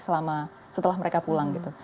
setelah mereka pulang